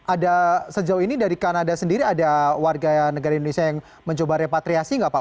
ada sejauh ini dari kanada sendiri ada warga negara indonesia yang mencoba repatriasi nggak pak